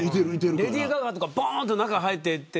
レディー・ガガとかぼーんと中に入っていって。